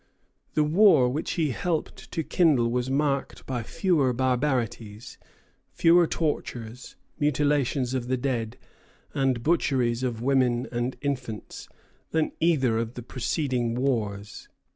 The war which he helped to kindle was marked by fewer barbarities fewer tortures, mutilations of the dead, and butcheries of women and infants than either of the preceding wars.